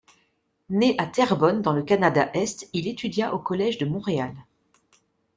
Né à Terrebonne dans le Canada-Est, il étudia au Collège de Montréal.